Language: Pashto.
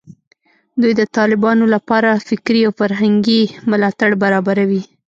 دوی د طالبانو لپاره فکري او فرهنګي ملاتړ برابروي